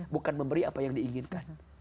bukan memberi apa yang diinginkan